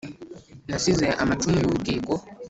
nasize amacumu y’ubwiko